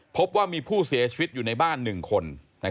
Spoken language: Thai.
พบว่ามีผู้เสียชีวิตอยู่ในบ้าน๑คน